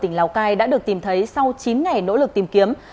tỉnh lào cai đã được tìm thấy sau chín ngày nỗ lực tìm kiếm